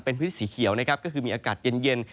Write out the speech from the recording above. เป็นพื้นที่สีเขียวนะครับก็คือมีอากาศเย็น